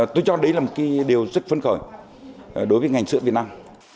tôi cho đấy là một điều rất phân khởi đối với ngành sữa việt nam